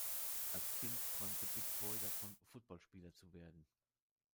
Als Kind träumte Big Boi davon, Footballspieler zu werden.